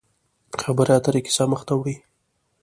خبرې اترې کیسه مخ ته وړي.